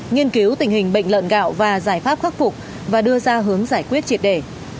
nghiên cứu tình hình bệnh lợn gạo và giải pháp khắc phục và đưa ra hướng giải quyết triệt đề